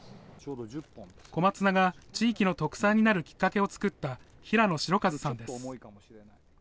小松菜が地域の特産になるきっかけを作った平野代一さんです。